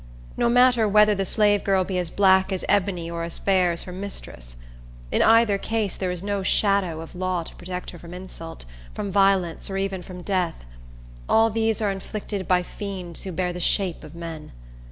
No matter whether the slave girl be as black as ebony or as fair as her mistress. In either case, there is no shadow of law to protect her from insult, from violence, or even from death; all these are inflicted by fiends who bear the shape of men.